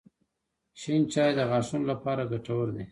• شین چای د غاښونو لپاره ګټور دی.